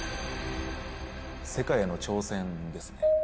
世界への挑戦ですね。